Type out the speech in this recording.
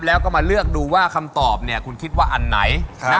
แล้วก็มาเลือกดูว่าคำตอบเนี่ยคุณคิดว่าอันไหน